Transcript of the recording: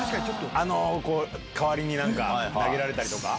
代わりに投げられたりとか。